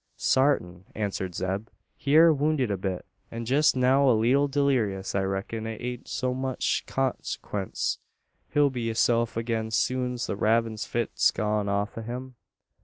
"Sartin," answered Zeb. "He air wounded a bit; an jest now a leetle dulleerious. I reck'n it ain't o' much consekwence. He'll be hisself agin soon's the ravin' fit's gone off o' him."